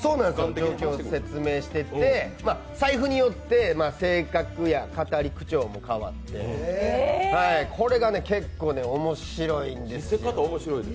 状況を説明していって財布によって性格や語り口調も変わってこれが結構、面白いんですよ。